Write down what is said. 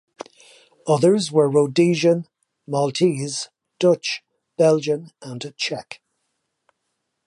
Others were Rhodesian, Maltese, Dutch, Belgian and Czech.